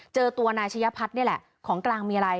เจอตัวนายชะยพัฒน์นี่แหละของกลางมีอะไร